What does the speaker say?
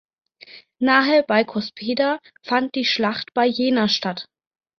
Nahe bei Cospeda fand die Schlacht bei Jena statt.